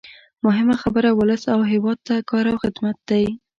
مهمه خبره ولس او هېواد ته کار او خدمت دی.